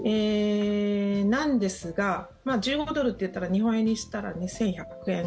なんですが、１５ドルといったら日本円にしたらそうですね。